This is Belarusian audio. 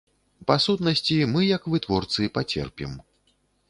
Па сутнасці, мы як вытворцы пацерпім.